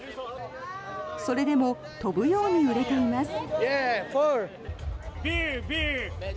それでも飛ぶように売れています。